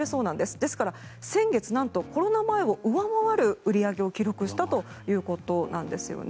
ですから、先月、なんとコロナ前を上回る売り上げを記録したということなんですね。